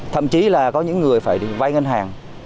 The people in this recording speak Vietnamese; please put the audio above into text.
thậm chí là có những người phải vay ngân hàng